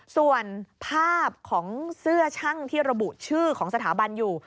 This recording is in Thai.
ส่วนภาพของเสื้อช่างที่ระบุชื่อของสถาบันอยู่